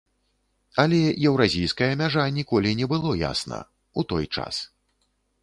Але еўразійская мяжа ніколі не было ясна, у той час.